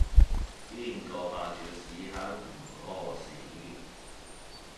邊個霸住個屎坑唔痾屎